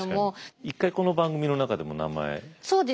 一回この番組の中でも名前登場したね。